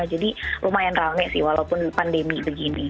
jadi lumayan rame sih walaupun pandemi begini